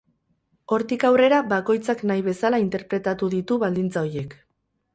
Hortik aurrera bakoitzak nahi bezala interpretatu ditu baldintza horiek.